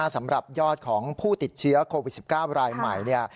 สำหรับยอดของผู้ติดเชื้อโควิด๑๙รายใหม่